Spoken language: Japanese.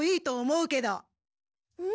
「思うけど」？